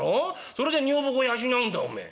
それで女房子養うんだおめえ。